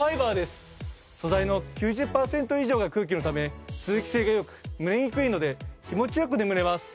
素材の９０パーセント以上が空気のため通気性が良く蒸れにくいので気持ち良く眠れます。